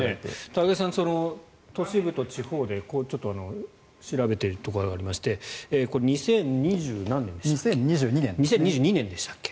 高木さん、都市部と地方で調べているところがありまして２０２２年でしたっけ。